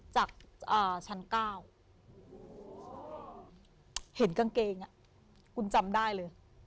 จากชั้น๙เห็นกางเกงคุณจำได้เลย